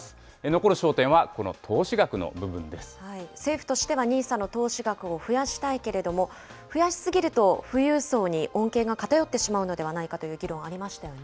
残る焦点は、この投資額の部分で政府としてはＮＩＳＡの投資額を増やしたいけれども、増やし過ぎると、富裕層に恩恵が偏ってしまうのではないかという議論ありましたよね。